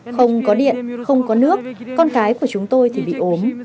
không có điện không có nước con cái của chúng tôi thì bị ốm